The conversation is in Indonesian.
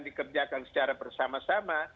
dikerjakan secara bersama sama